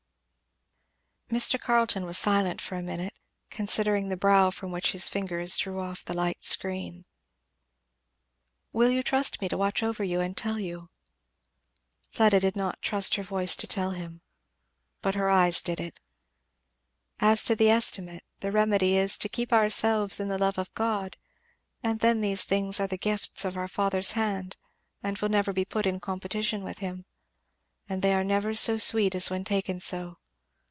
Mr. Carleton was silent for a minute, considering the brow from which his fingers drew off the light screen. "Will you trust me to watch over and tell you?" Fleda did not trust her voice to tell him, but her eyes did it. "As to the estimate the remedy is to 'keep ourselves in the love of God;' and then these things are the gifts of our Father's hand and will never be put in competition with him. And they are never so sweet as when taken so."